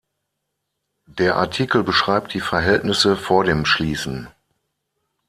Der Artikel beschreibt die Verhältnisse vor dem Schließen.